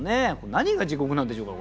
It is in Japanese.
何が「地獄」なんでしょうか？